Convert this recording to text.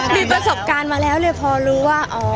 มีประสบการณ์มาแล้วเลยพอรู้ว่า